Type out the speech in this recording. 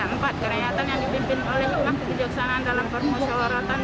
empat karyatan yang dipimpin oleh makhluk kebijaksanaan dalam permusyawaratan